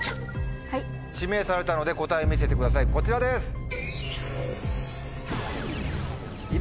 指名されたので答え見せてくださいこちらです。